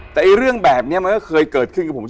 แต่เรื่องแบบนี้มันก็เคยเกิดขึ้นกับผม